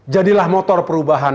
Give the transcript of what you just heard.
jadilah motor perubahan